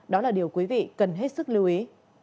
đó là điều quý vị cần hết sức lưu ý